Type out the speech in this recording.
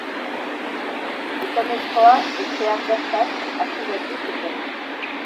Gizonezkoa etxean bertan atxilotu zuten.